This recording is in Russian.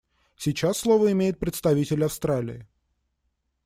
Сейчас слово имеет представитель Австралии.